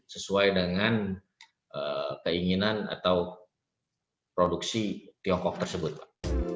sesuai dengan keinginan atau produksi tiongkok tersebut pak